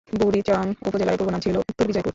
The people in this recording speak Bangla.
বুড়িচং উপজেলার পূর্বনাম ছিল উত্তর বিজয়পুর।